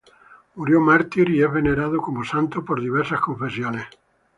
Murió mártir y es venerado como santo por diversas confesiones cristianas.